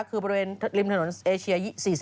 คือบริเวณริมถนนเอเชีย๔๐